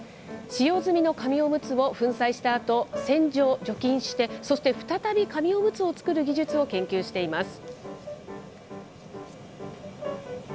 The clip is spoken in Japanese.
使用済みの紙おむつを粉砕したあと、洗浄・除菌して、そして再び紙おむつを作る技術を研究しています。